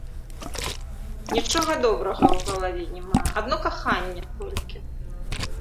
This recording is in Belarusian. Нічога добрага ў галаве няма, адно каханне толькі.